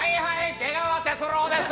出川哲朗です。